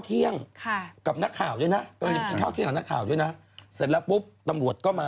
เห็นไหมล่ะคุณปีชาเทคคอร์สอยู่แล้วเถอะ